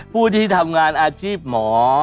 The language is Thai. ผู้ที่ทำงานอาชีพหมอ